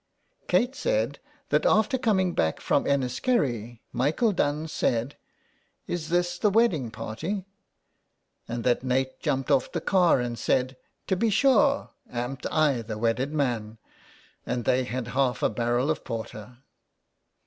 " Kate said that after coming back from Enniskerry, Michael Dunne said, ' Is this the wedding party ?' and that Ned jumped off the car, and said :' To be sure. Amn't I the wedded man.' And they had half a barrel of porter."